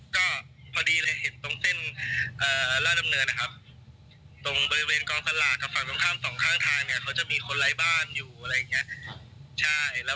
ก็พอดีเลยเห็นตรงเส้นราชดำเนินนะครับตรงบริเวณกองสลากกับฝั่งตรงข้ามสองข้างทางเนี่ยเขาจะมีคนไร้บ้านอยู่อะไรอย่างนี้